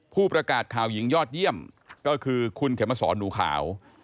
ผู้ประกาศข่าวหญิงยอดเยี่ยมก็คือคุณเขมสอนหนูขาว